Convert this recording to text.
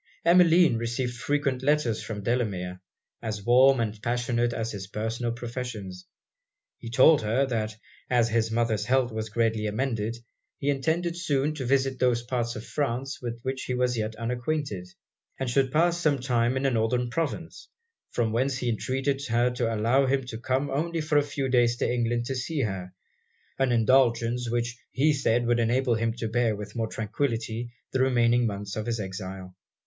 Emmeline received frequent letters from Delamere, as warm and passionate as his personal professions. He told her, that as his mother's health was greatly amended, he intended soon to visit those parts of France with which he was yet unacquainted; and should pass some time in the Northern Provinces, from whence he entreated her to allow him to come only for a few days to England to see her an indulgence which he said would enable him to bear with more tranquillity the remaining months of his exile.